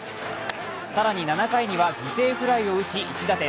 更に７回には犠牲フライを打ち、１打点。